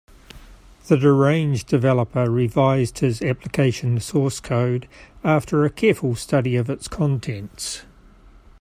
The deranged developer revised his application source code after a careful study of its contents.